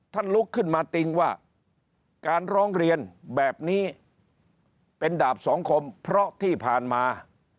ลุกขึ้นมาติงว่าการร้องเรียนแบบนี้เป็นดาบสองคมเพราะที่ผ่านมา